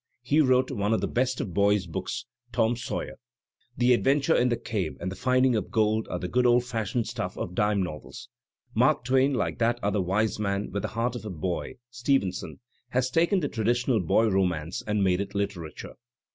He wrote one of the best of boys' books, "Tom Sawyer." The adventure in the cave and the finding of gold are the good old fashioned stuff of dime novels. Mark Twain, like that other wise man with the heart of a boy, Stevenson, has taken the traditional boy romance and made it literature.